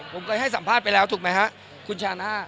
ผมเคยให้สัมภาษณ์ไปแล้วถูกไหมฮะคุณชาน่า